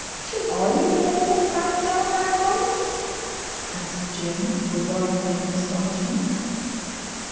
"Shall I haul the flag down, Admiral?" asked Jim, with well feigned astonishment.